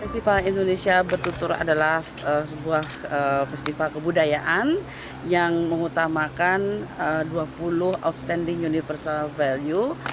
festival indonesia bertutur adalah sebuah festival kebudayaan yang mengutamakan dua puluh outstanding universal value